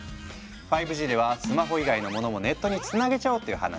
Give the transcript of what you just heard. ５Ｇではスマホ以外のモノもネットにつなげちゃおうっていう話。